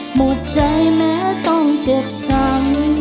หมดใจแม้ต้องเจ็บช้ำ